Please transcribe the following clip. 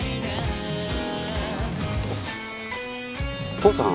父さん